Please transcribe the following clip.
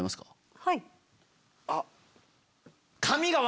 はい。